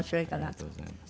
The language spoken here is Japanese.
ありがとうございます。